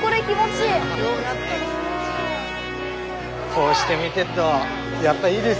こうして見でっとやっぱいいですね。